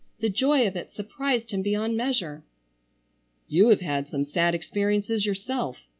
The joy of it surprised him beyond measure. "You have had some sad experiences yourself.